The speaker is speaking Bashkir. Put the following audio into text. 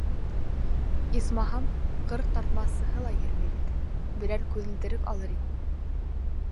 Исмаһам, ҡырҡ тартмасыһы ла йөрөмәй бит, берәр күҙелдерек алыр инем.